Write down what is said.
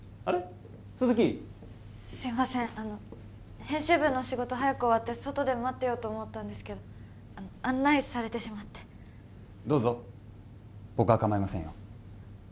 あの編集部の仕事早く終わって外で待ってようと思ったんですけど案内されてしまってどうぞ僕は構いませんよ